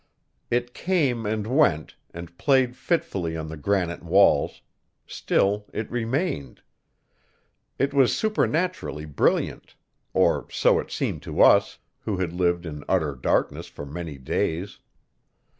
It came and went, and played fitfully on the granite walls; still it remained. It was supernaturally brilliant; or so it seemed to us, who had lived in utter darkness for many days.